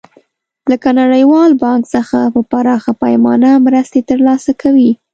لکه نړیوال بانک څخه په پراخه پیمانه مرستې تر لاسه کوي.